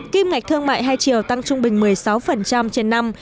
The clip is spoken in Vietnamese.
kim ngạch thương mại hai triệu tăng trung bình một mươi sáu trên năm